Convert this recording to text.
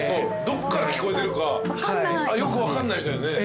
どっから聞こえてるかよく分かんないみたい。